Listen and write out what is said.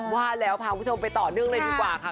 ว่าแล้วพาคุณผู้ชมไปต่อเนื่องเลยดีกว่าค่ะ